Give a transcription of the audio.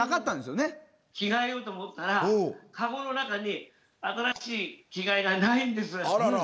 着替えようと思ったらカゴの中に新しい着替えがないんです。